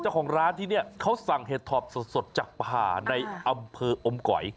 เจ้าของร้านที่นี่เขาสั่งเห็ดถอบสดจากป่าในอำเภออมก๋อย